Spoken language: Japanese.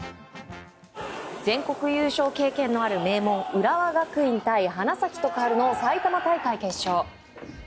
全国優勝経験のある名門、浦和学院対花咲徳栄の埼玉大会決勝。